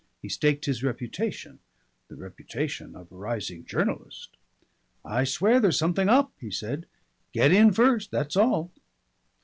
He staked his reputation the reputation of a rising journalist! "I swear there's something up," he said. "Get in first that's all."